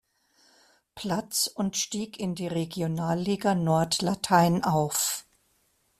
Platz und stieg in die Regionalliga Nord Latein auf.